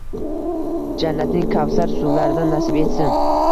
“Jannatning kavsar suvlaridan nasib etsin”